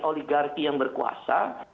oligarki yang berkuasa